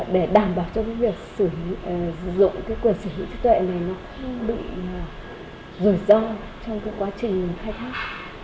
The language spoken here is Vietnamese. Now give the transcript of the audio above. để đảm bảo cho việc sử dụng quyền sử dụng trí tuệ này không bị rủi ro trong quá trình khai thác